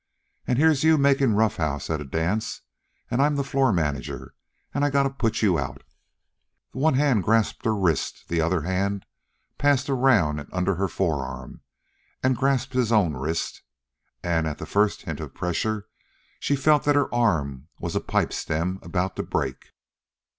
An' here's you makin' roughhouse at a dance, an' I 'm the floor manager, an' I gotta put you out." One hand grasped her wrist, the other hand passed around and under her forearm and grasped his own wrist. And at the first hint of pressure she felt that her arm was a pipe stem about to break.